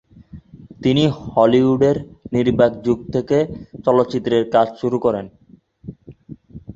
তিনি হলিউডের নির্বাক যুগ থেকে চলচ্চিত্রে কাজ শুরু করেন।